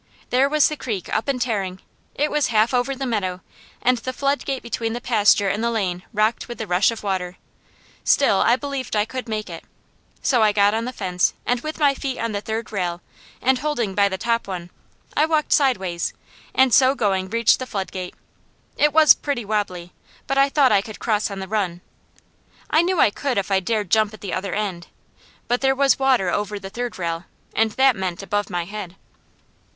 There was the creek up and tearing. It was half over the meadow, and the floodgate between the pasture and the lane rocked with the rush of water; still, I believed I could make it. So I got on the fence and with my feet on the third rail, and holding by the top one, I walked sidewise, and so going reached the floodgate. It was pretty wobbly, but I thought I could cross on the run. I knew I could if I dared jump at the other end; but there the water was over the third rail, and that meant above my head.